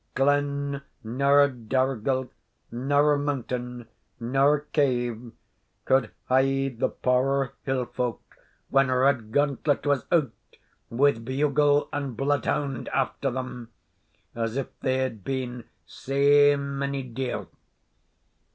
Glen, nor dargle, nor mountain, nor cave could hide the puir hill folk when Redgauntlet was out with bugle and bloodhound after them, as if they had been sae mony deer.